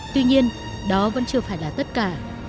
tuy nhiên đó vẫn chưa phải là tất cả